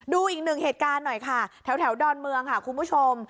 ดูอีกหนึ่งเหตุการณ์หน่อยค่ะแถวดอนเมืองค่ะคุณผู้ชม